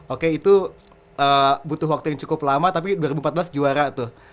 oke itu butuh waktu yang cukup lama tapi dua ribu empat belas juara tuh